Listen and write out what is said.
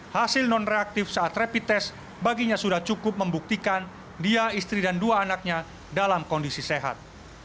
hasil non reaktif saat rapid test baginya sudah cukup membuktikan dia istri dan dua anaknya dalam kondisi sehat